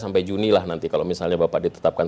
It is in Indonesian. sampai juni lah nanti kalau misalnya bapak ditetapkan